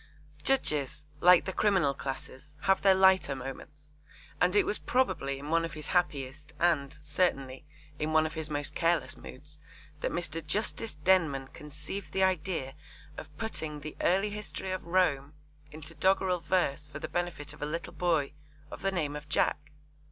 Judges, like the criminal classes, have their lighter moments, and it was probably in one of his happiest and, certainly, in one of his most careless moods that Mr. Justice Denman conceived the idea of putting the early history of Rome into doggerel verse for the benefit of a little boy of the name of Jack.